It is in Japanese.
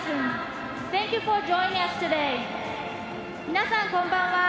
皆さん、こんばんは。